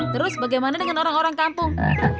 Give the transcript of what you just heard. terus bagaimana dengan orang orang kampung